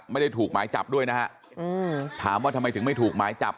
ไม่ได้ถูกหมายจับด้วยนะฮะถามว่าทำไมถึงไม่ถูกหมายจับ